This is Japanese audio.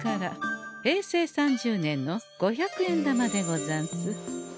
平成３０年の五百円玉でござんす。